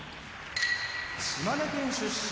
島根県出身